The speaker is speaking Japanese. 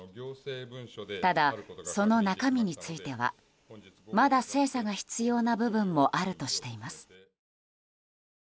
ただ、その中身についてはまだ精査が必要な部分もあるとしています。